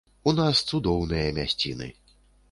У нас цудоўныя мясціны.